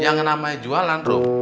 yang namanya jualan rum